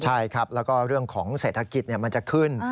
ใช่ครับแล้วก็เรื่องของเศรษฐกิจมันจะขึ้น